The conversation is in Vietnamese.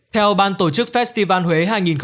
theo ban tổ chức festival huế hai nghìn hai mươi bốn